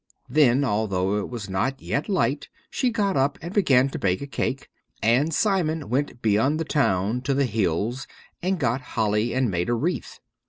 Then, although it was not yet light, she got up and began to bake a cake, and Simon went beyond the town to the hills and got holly and made a wreath.